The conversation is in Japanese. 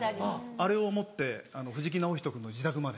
あれを持って藤木直人君の自宅まで。